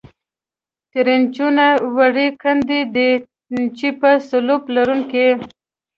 ټرینچونه وړې کندې دي، چې په سلوپ لرونکې.